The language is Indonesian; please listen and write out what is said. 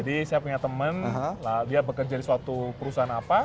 jadi saya punya teman dia bekerja di suatu perusahaan apa